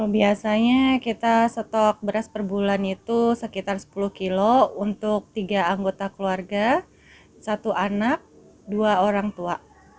biasanya kita stok beras per bulan itu sekitar sepuluh kilo untuk tiga anggota keluarga satu anak dua orang tua